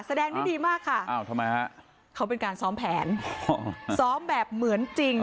แสดงได้ดีมากค่ะอ้าวทำไมฮะเขาเป็นการซ้อมแผนซ้อมแบบเหมือนจริง